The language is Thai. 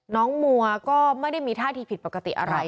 มัวก็ไม่ได้มีท่าทีผิดปกติอะไร